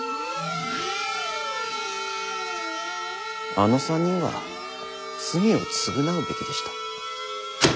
あの３人は罪を償うべきでした。